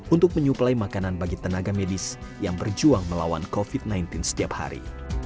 untuk menyuplai makanan bagi tenaga medis yang berjuang melawan covid sembilan belas setiap hari